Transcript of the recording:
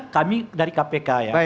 kami dari kpk ya